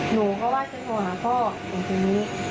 หนูก็ว่าจะถูกหวังหัวคุณคุณนี่